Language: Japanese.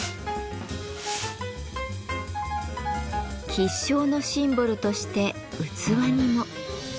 吉祥のシンボルとして器にも。